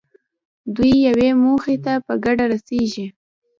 دوی یوې موخې ته په ګډه رسېږي.